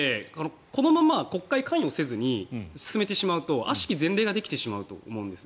このまま国会関与せずに進めてしまうとあしき前例ができてしまうと思うんです。